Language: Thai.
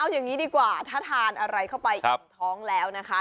อย่างนี้ดีกว่าถ้าทานอะไรเข้าไปอิ่มท้องแล้วนะคะ